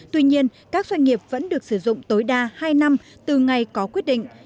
tuy nhiên các doanh nghiệp vẫn được sử dụng tối đa hai năm từ ngày có quyết định